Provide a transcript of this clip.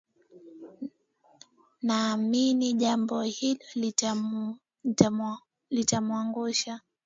naamini jambo hilo litamuangusha